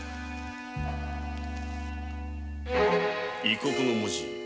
異国の文字